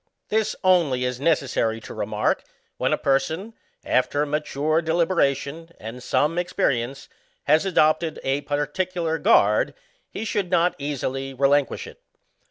'ITiis only is necessary to remark, when a per son, after mature deliberation and some experience, has adopted a particular guard, he should not easily relinquish it.